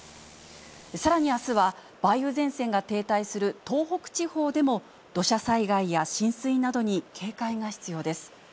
さらにあすは、梅雨前線が停滞する東北地方でも、土砂災害や浸水などに警戒が必要です。